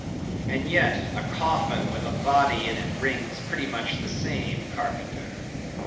And yet, a coffin with a body in it rings pretty much the same, Carpenter.